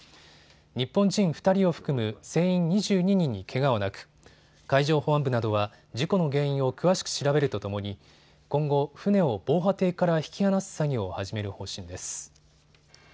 日本人２人を含む船員２２人にけがはなく海上保安部などは事故の原因を詳しく調べるとともに今後、船を防波堤から引き離す作業を始める方針です。